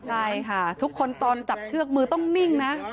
ใช่ค่ะทุกคนตอนจับเชือกมือต้องนิ่งนะ